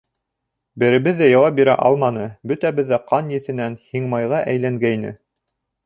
Беребеҙ ҙә яуап бирә алманы, бөтәбеҙ ҙә ҡан еҫенән һиңмайға әйләнгәйне.